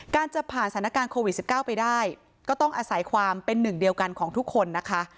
จะผ่านสถานการณ์โควิด๑๙ไปได้ก็ต้องอาศัยความเป็นหนึ่งเดียวกันของทุกคนนะคะ